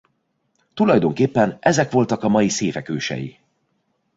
Tulajdonképpen ezek voltak a mai széfek ősei.